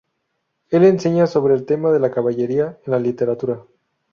Él enseña sobre el tema de la caballería en la literatura.